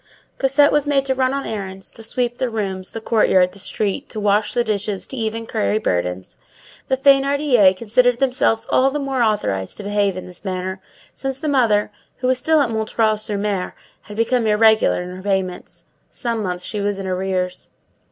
Cosette was made to run on errands, to sweep the rooms, the courtyard, the street, to wash the dishes, to even carry burdens. The Thénardiers considered themselves all the more authorized to behave in this manner, since the mother, who was still at M. sur M., had become irregular in her payments. Some months she was in arrears.